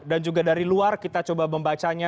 dan juga dari luar kita coba membacanya